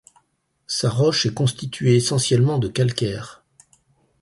Sa roche est constituée essentiellement de calcaire.